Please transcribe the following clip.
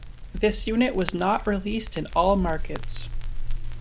This unit was not released in all markets.